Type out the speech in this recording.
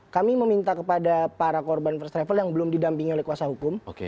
kami meminta kepada para korban first travel yang belum didampingi oleh kuasa hukum